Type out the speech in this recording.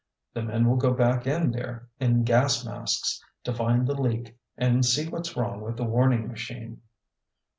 "The men will go back in there in gas masks to find the leak and see what's wrong with the warning machine."